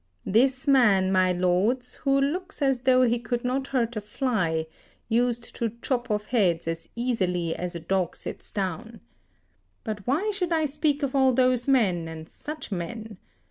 ] This man, my lords, who looks as though he could not hurt a fly, used to chop off heads as easily as a dog sits down. But why should I speak of all those men, and such men?